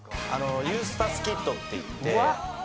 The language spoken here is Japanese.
ユースタス・キッドっていって。